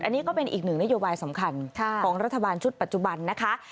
อันนี้ก็เป็นอีกหนึ่งนโยบายสำคัญของรัฐบาลชุดปัจจุบันนะคะ